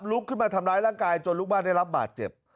ลุกขึ้นมาทำร้ายร่างกายจนลูกบ้านได้รับบาดเจ็บ